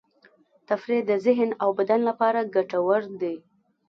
تفریح د ذهن او بدن لپاره ګټور دی.